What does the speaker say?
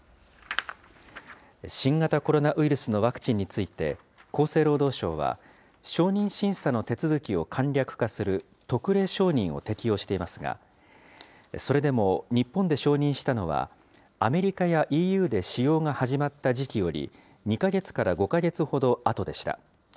新型コロナウイルスのワクチンについて、厚生労働省は、承認審査の手続きを簡略化する特例承認を適用していますが、それでも日本で承認したのは、アメリカやＥＵで使用が始まった時期より、２か月から５か月ほどあとでした。